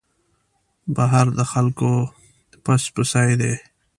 بهر د خلکو پس پسي دی.